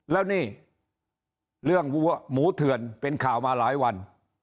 แล้วนี่เรื่องวัวหมูเถื่อนเป็นข่าวมาหลายวัน